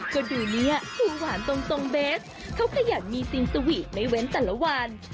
ก็ดูเนี่ยพรุงหวานตรงเบสเขาก็อยากมีสิ่งสวีทในเว้นแต่ละวัน